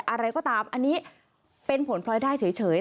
อะไรก็ตามอันนี้เป็นผลพลอยได้เฉย